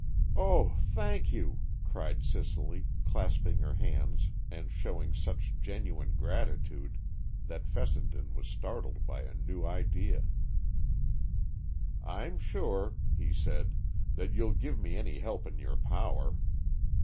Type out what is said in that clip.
"O, thank you!" cried Cicely, clasping her hands and showing such genuine gratitude that Fessenden was startled by a new idea. "I'm sure," he said, "that you'll give me any help in your power.